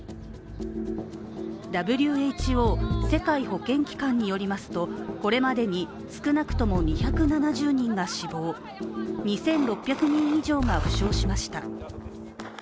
ＷＨＯ＝世界保健機関によりますとこれまでに少なくとも２７０人が死亡、２６００人以上が負傷しました。